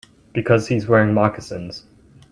Because he's wearing moccasins.